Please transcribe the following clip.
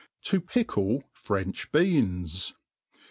To pickle French BeOnt.